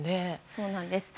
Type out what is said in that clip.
そうなんです。